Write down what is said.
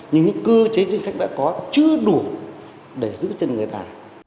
nhưng những cơ chế chính sách đã có chưa đủ để giữ chân người ta